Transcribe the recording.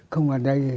không bắt đây